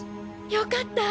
良かった！